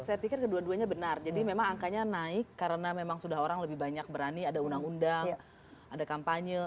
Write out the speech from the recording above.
saya pikir kedua duanya benar jadi memang angkanya naik karena memang sudah orang lebih banyak berani ada undang undang ada kampanye